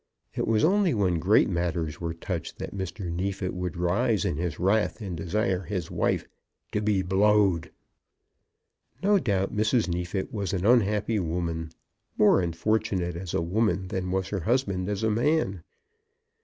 It was only when great matters were touched that Mr. Neefit would rise in his wrath and desire his wife "to be blowed." No doubt Mrs. Neefit was an unhappy woman, more unfortunate as a woman than was her husband as a man.